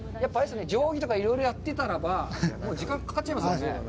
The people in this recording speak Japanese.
定規とかいろいろやってたらば、時間がかかっちゃいますよね。